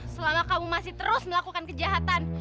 selama kamu masih terus melakukan kejahatan